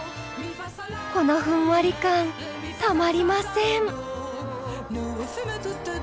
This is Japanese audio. このふんわり感たまりません。